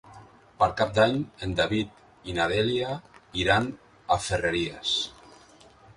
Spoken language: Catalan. Per Cap d'Any en David i na Dèlia iran a Ferreries.